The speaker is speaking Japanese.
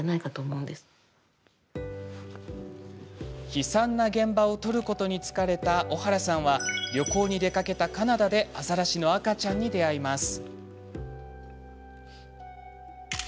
悲惨な現場を撮ることに疲れた小原さんは旅行に出かけたカナダでアザラシの赤ちゃんに出会います。